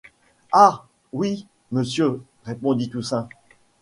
Ah! oui, monsieur, répondit Toussaint.